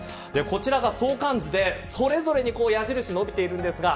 こちらが相関図でそれぞれに矢印が伸びています。